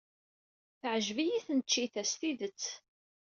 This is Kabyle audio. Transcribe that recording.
Teɛjeb-iyi tneččit-a s tidet.